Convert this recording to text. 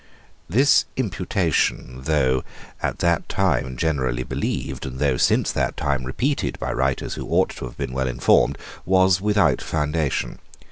This imputation, though at that time generally believed, and though, since that time, repeated by writers who ought to have been well informed, was without foundation.